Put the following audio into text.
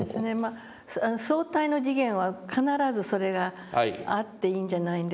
相対の次元は必ずそれがあっていいんじゃないんですかね。